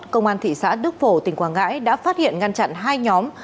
công an thị xã đức phổ tỉnh quảng ngãi đã phát hiện ngăn chặn hai nhóm